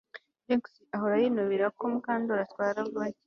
Trix ahora yinubira ko Mukandoli atwara vuba cyane